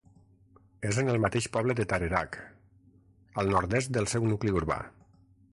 És en el mateix poble de Tarerac, al nord-est del seu nucli urbà.